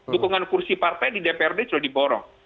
dukungan kursi partai di dprd sudah diborong